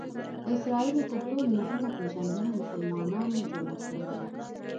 د اسراییلو تر ټولو مهمه پېژندنه مسلمانانو جوړه کړې ده.